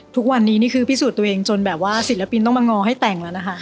ทุกวันนี้นี่คือพิสูจน์ตัวเองจนแบบว่าศิลปินต้องมางอให้แต่งแล้วนะคะ